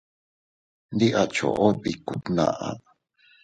Ndi a choʼo bikku tnaʼa.